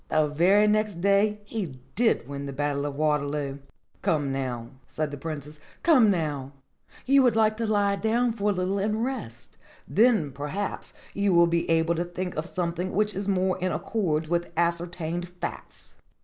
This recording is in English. The very next day he did win the Battle of Waterloo." OMNIA VANITAS 295 "Come now," said the Princess, "come now; you would like to lie down for a little and rest, then per haps you will be able to think of something which is more in accord with ascertained facts."